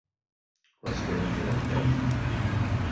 Was stellen wir dann fest?